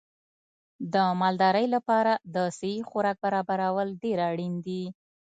د مالدارۍ لپاره د صحي خوراک برابرول ډېر اړین دي.